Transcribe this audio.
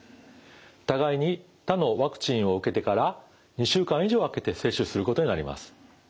互いに他のワクチンを受けてから２週間以上あけて接種することになります。